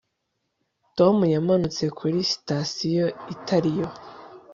tom yamanutse kuri sitasiyo itariyo